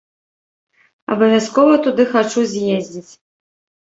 Абавязкова туды хачу з'ездзіць.